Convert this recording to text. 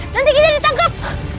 kita akan ditangkap